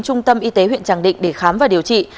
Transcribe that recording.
trung tâm y tế huyện tràng định để khám và điều trị